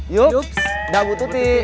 yups udah bu tuti